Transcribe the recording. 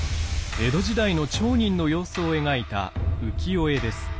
江戸時代の町人の様子を描いた浮世絵です。